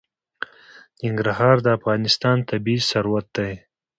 ننګرهار د افغانستان طبعي ثروت دی.